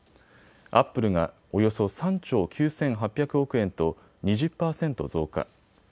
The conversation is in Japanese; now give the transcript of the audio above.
アップルがおよそ３兆９８００億円と２０％増加。